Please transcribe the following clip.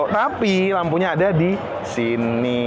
tapi lampunya ada disini